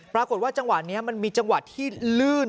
ปรากฏว่าจังหวะนี้มันมีจังหวะที่ลื่น